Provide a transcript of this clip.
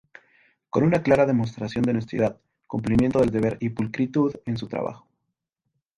Con una clara demostración de honestidad, cumplimiento del deber y pulcritud en su trabajo.